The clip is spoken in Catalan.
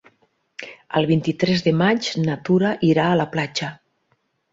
El vint-i-tres de maig na Tura irà a la platja.